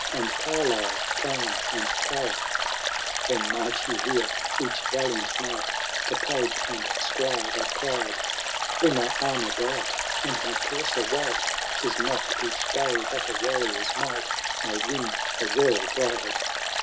And Carlisle town and tower/ Then might you hear each valiant knight To page and iqtiire that cried, ' Bring my annour bright, and my courier wight ! Til not each day that a wanior^s might May win a royal bride.